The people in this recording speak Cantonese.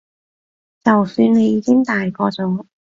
就算你已經大個咗